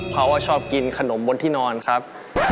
เพราะว่าชอบกินขนมบนที่นอนครับ